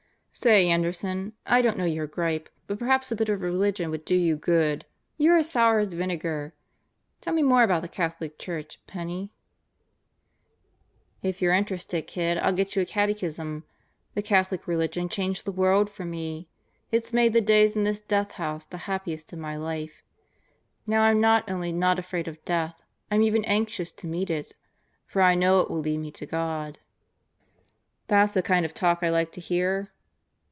" "Say, Anderson, I don't know your gripe, but perhaps a bit of religion would do you good. You're as sour as vinegar. Tell me more about the Catholic Church, Penney." "If you're interested, kid, I'll get you a catechism. The Catho lic religion changed the world for me. It's made the days in this Death House the happiest of my life. Now I'm not only not afraid of death, I'm even anxious to meet it; for I know it will lead me to God." "That's the kind of talk I like to hear."